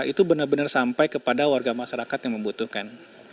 itu benar benar sampai kepada warga masyarakat yang membutuhkan